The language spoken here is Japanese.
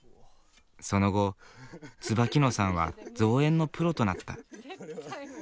その後椿野さんは造園のプロとなった。